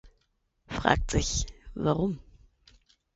Fragt sich, warum?